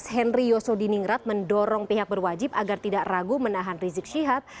henry yosodiningrat mendorong pihak berwajib agar tidak ragu menahan rizik syihab